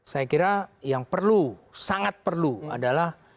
saya kira yang perlu sangat perlu adalah